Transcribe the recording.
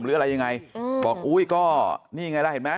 หรืออะไรยังไงบอกอุ้ยก็นี่ไงล่ะเห็นไหม